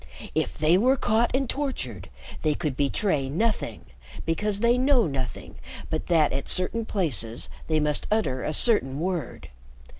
If they were caught and tortured, they could betray nothing because they know nothing but that, at certain places, they must utter a certain word.